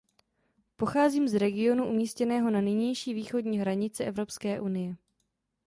Pocházím z regionu umístěného na nynější východní hranici Evropské unie.